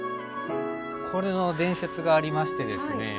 これの伝説がありましてですね。